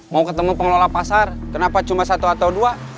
mau ketemu pengelola pasar kenapa cuma satu atau dua